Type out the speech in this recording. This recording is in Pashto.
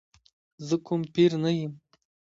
زه کوم پیر نه یم.